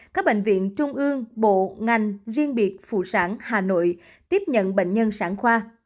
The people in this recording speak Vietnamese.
các bệnh viện trung ương bộ ngành riêng biệt phụ sản hà nội tiếp nhận bệnh nhân sản khoa